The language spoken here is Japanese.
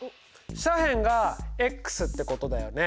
斜辺がってことだよね。